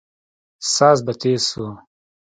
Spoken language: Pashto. ساز به تېز سو.